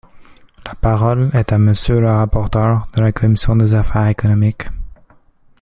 La parole est à Monsieur le rapporteur de la commission des affaires économiques.